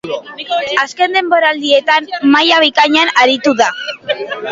Azken denboraldietan maila bikainean aritu da.